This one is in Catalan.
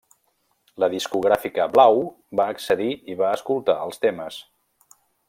La discogràfica Blau va accedir i va escoltar els temes.